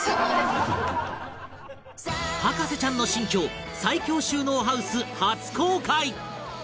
博士ちゃんの新居最強収納ハウス初公開！